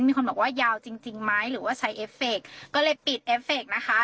มีคนบอกว่ายาวจริงจริงไหมหรือว่าใช้เอฟเฟคก็เลยปิดเอฟเฟคนะคะ